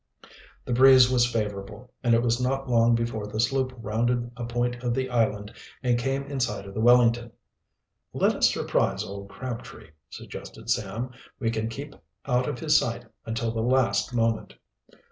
The breeze was favorable, and it was not long before the sloop rounded a point of the island and came in sight of the Wellington. "Let us surprise old Crabtree," suggested Sam. "We can keep out of his sight until the last moment."